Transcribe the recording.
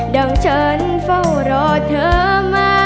ดังฉันเฝ้ารอเธอมา